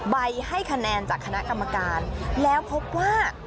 ใบให้คะแนนจากคณะกรรมการแล้วพบว่า